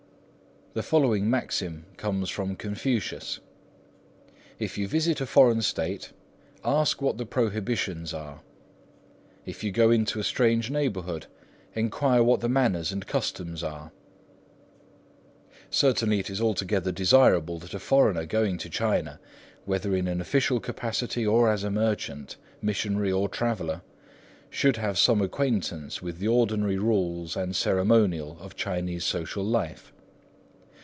The following maxim comes from Confucius:— "If you visit a foreign State, ask what the prohibitions are; if you go into a strange neighbourhood, enquire what the manners and customs are." Certainly it is altogether desirable that a foreigner going to China, whether in an official capacity, or as merchant, missionary, or traveller, should have some acquaintance with the ordinary rules and ceremonial of Chinese social life.